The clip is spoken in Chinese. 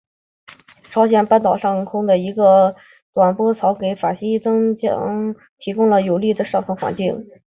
朝鲜半岛上空的一个短波槽给法茜的增强提供了有利的上层环境。